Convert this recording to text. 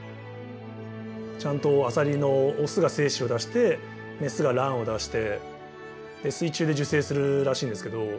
ちゃんとアサリのオスが精子を出してメスが卵を出してで水中で受精するらしいんですけど